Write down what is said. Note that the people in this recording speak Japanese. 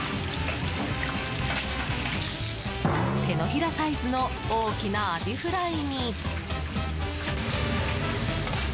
手のひらサイズの大きなアジフライに。